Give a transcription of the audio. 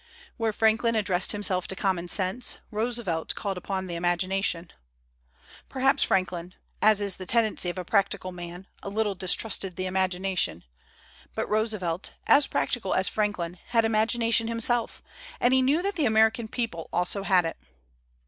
Where Franklin ad dressed himself to common sense, Roosevelt called upon the imagination. Perhaps Franklin, as is the tendency of a practical man, a little distrusted the imagination; but Roosevelt, as practical as Franklin, had imagination himself, and he knew that the American people also had it.